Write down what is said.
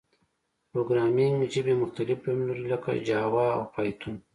پروګرامینګ ژبي مختلف ډولونه لري، لکه جاوا او پایتون.